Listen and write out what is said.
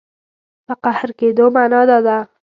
په قهر کېدو معنا دا ده.